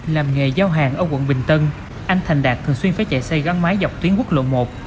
làm nghề giao hàng ở quận bình tân anh thành đạt thường xuyên phải chạy xe gắn máy dọc tuyến quốc lộ một